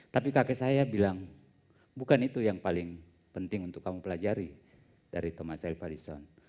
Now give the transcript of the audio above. tapi kakek saya bilang bukan itu yang paling penting untuk kamu pelajari dari teman saya farison